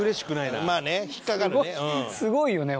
すごいよね